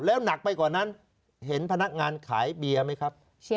แล้วหนักไปกว่านั้นเห็นพนักงานขายเบียร์ไหมครับ